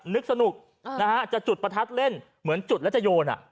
นึกสนุกนะฮะจะจุดประทัดเล่นเหมือนจุดแล้วจะโยน